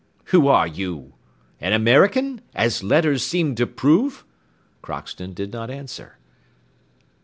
"Who are you? An American, as letters seem to prove?" Crockston did not answer.